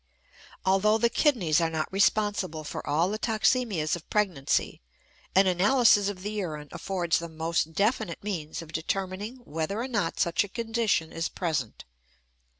Although the kidneys are not responsible for all the toxemias of pregnancy, an analysis of the urine affords the most definite means of determining whether or not such a condition is present.